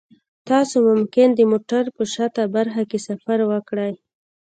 تاسو ممکن د موټر په شاته برخه کې سفر وکړئ